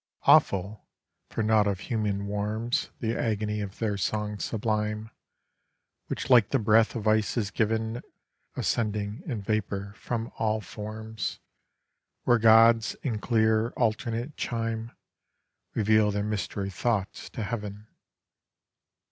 Awful, for nought of human warms The agony of their song sublime, Which like the breath of ice is given Ascending in vapour from all forms, Where gods in clear alternate chime Reveal their mystery thoughts to Heaven.